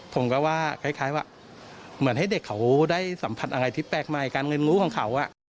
ผมก็ว่าคล้ายว่าเหมือนให้เด็กเขาได้สัมผัสอะไรที่แปลกใหม่การเงินรู้ของเขา